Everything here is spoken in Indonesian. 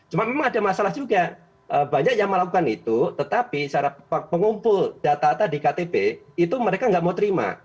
cuma memang ada masalah juga banyak yang melakukan itu tetapi secara pengumpul data data di ktp itu mereka nggak mau terima